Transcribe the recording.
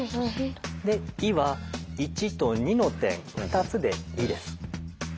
で「い」は１と２の点２つで「い」です。